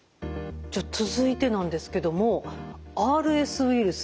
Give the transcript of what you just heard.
じゃ続いてなんですけどもＲＳウイルス